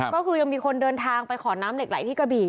ก็คือยังมีคนเดินทางไปขอน้ำเหล็กไหลที่กระบี่